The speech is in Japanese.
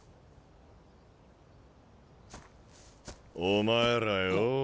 お前らよぉ。